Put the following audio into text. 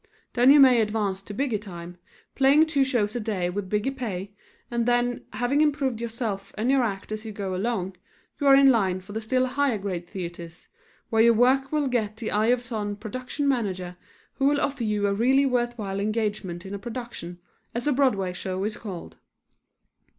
Then you may advance to bigger time, playing two shows a day with bigger pay, and then, having improved yourself and your act as you go along, you are in line for the still higher grade theatres, where your work will get the eye of some production manager who will offer you a really worthwhile engagement in a production, as a Broadway show is called.